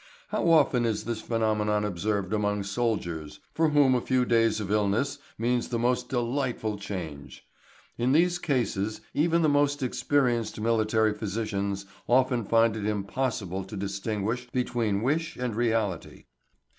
How often is this phenomenon observed among soldiers, for whom a few days of illness means the most delightful change! In these cases even the most experienced military physicians often find it impossible to distinguish between wish and reality.